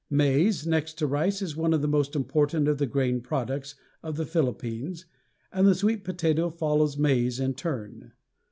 Maize, next to rice, is one of the most important of the grain products of the Philippines, and the sweet potato follows maize in turn.